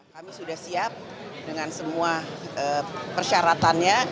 kami sudah siap dengan semua persyaratannya